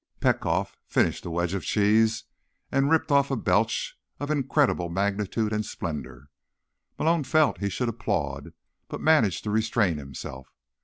Petkoff finished the wedge of cheese and ripped off a belch of incredible magnitude and splendor. Malone felt he should applaud, but managed to restrain himself.